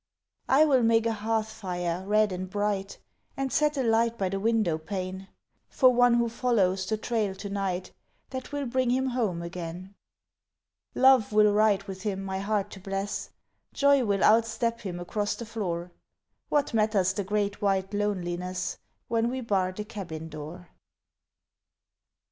I will make a hearth fire red and bright And set a light by the window pane For one who follows the trail to night That will bring him home again. Love will ride with him my heart to bless Joy will out step him across the floor What matters the great white loneliness When we bar the cabin door?